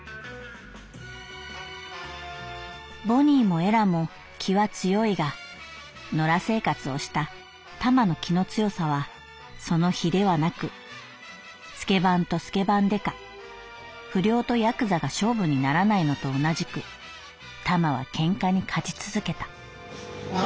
「ボニーもエラも気は強いが野良生活をしたタマの気の強さはその比ではなくスケバンとスケバン刑事不良とヤクザが勝負にならないのと同じくタマは喧嘩に勝ち続けた」。